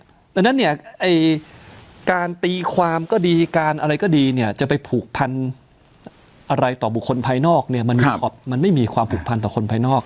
เพราะฉะนั้นเนี่ยการตีความก็ดีการอะไรก็ดีเนี่ยจะไปผูกพันธุ์อะไรต่อบุคคลภายนอกเนี่ยมันไม่มีความผูกพันต่อคนภายนอก